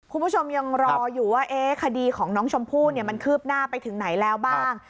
คุณผู้ชมยังรออยู่ว่าคดีของน้องชมพู่มันคืบหน้าไปถึงไหนแล้วบ้าง